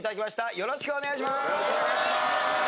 よろしくお願いします。